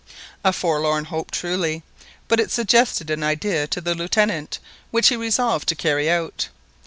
A forlorn hope truly, but it suggested an idea to the Lieutenant which he resolved to carry out.